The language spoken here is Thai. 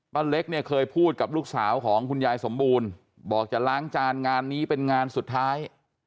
เล็กเนี่ยเคยพูดกับลูกสาวของคุณยายสมบูรณ์บอกจะล้างจานงานนี้เป็นงานสุดท้าย